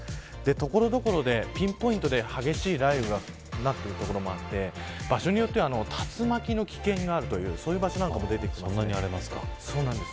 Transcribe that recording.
所々でピンポイントで激しい雷雨が降ってる所もあって場所によっては竜巻の危険があるという場所も出てきそうです。